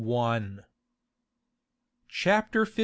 CHAPTER LV.